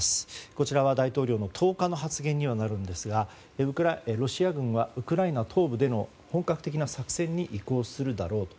こちらは大統領の１０日の発言にはなるんですがロシア軍はウクライナ東部での本格的な作戦に移行するだろうと。